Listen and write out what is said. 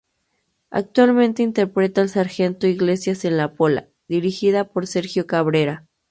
Actualmente interpreta el Sargento Iglesias en "La Pola", dirigida por Sergio Cabrera.